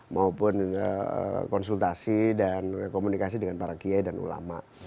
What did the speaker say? maupun konsultasi dan komunikasi dengan para kiai dan ulama